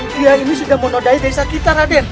dia ini sudah monodai desa kita raden